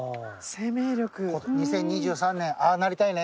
２０２３年ああなりたいね。